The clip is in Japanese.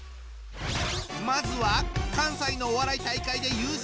まずは関西のお笑い大会で優勝！